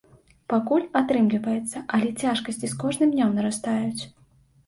Пакуль атрымліваецца, але цяжкасці з кожным днём нарастаюць.